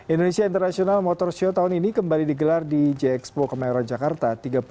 indonesia international motor show tahun ini kembali digelar di jxpo kemayoran jakarta